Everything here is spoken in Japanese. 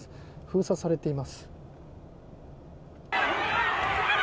封鎖されています。